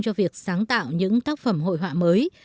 cho việc sáng tạo những tác phẩm hội họa mới